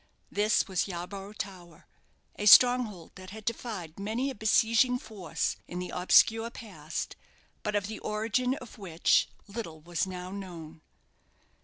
This was Yarborough Tower a stronghold that had defied many a besieging force in the obscure past; but of the origin of which little was now known.